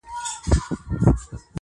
• له نیکانو سره ظلم دی جفا ده ..